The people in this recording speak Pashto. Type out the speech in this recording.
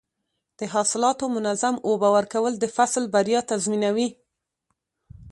د حاصلاتو منظم اوبه ورکول د فصل بریا تضمینوي.